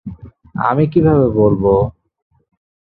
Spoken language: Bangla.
আমি কীভাবে বলবো?